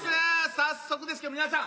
早速ですけど皆さん